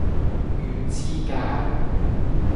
魚翅餃